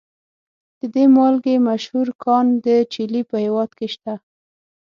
د دې مالګې مشهور کان د چیلي په هیواد کې شته.